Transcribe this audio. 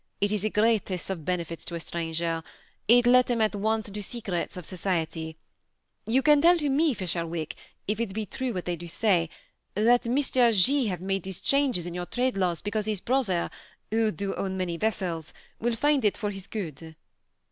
It is the great est of benefits to a stranger: it let him at once into secrets of society. You can tell to me, Fisherwick, if THE SEMI ATTACHED COUPLE. 215 it be true what they ,do say, that Mr. G. have made these changes in your traderlaws because his brother, who do own many vessels, will find it for his good.''